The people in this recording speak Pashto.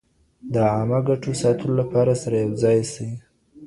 د عامه ګټو ساتلو لپاره سره يو ځای سئ.